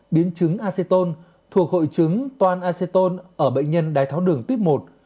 biến chứng acetone thuộc hội chứng toan acetone ở bệnh nhân đáy tháo đường tuyết một